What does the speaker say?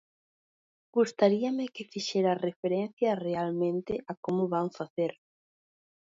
Gustaríame que fixera referencia realmente a como van facer.